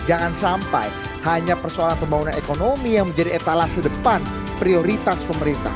jangan sampai hanya persoalan pembangunan ekonomi yang menjadi etalase depan prioritas pemerintah